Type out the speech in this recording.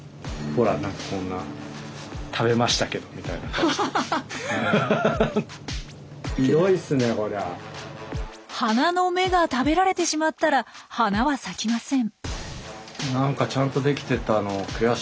犯人は花の芽が食べられてしまったら花は咲きません。